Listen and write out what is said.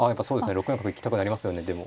６四角行きたくなりますよねでも。